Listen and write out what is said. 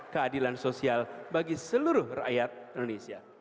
keadilan sosial bagi seluruh rakyat indonesia